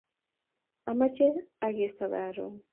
Amache akeso karun